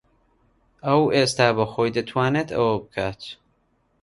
ئەو ئێستا بەخۆی دەتوانێت ئەوە بکات.